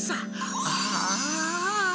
ああ！